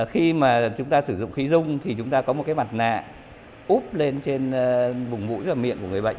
khi mà chúng ta sử dụng khí dung thì chúng ta có một cái mặt nạ úp lên trên bụng mũi và miệng của người bệnh